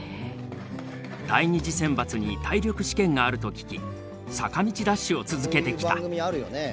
第２次選抜に体力試験があると聞き坂道ダッシュを続けてきた。